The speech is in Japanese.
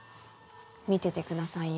見てて下さいよ。